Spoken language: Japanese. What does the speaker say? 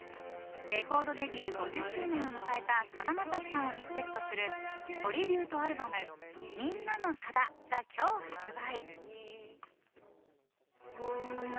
レコードデビュー５０周年を迎えたさだまさしさんをリスペクトするトリビュートアルバム「みんなのさだ」が今日発売。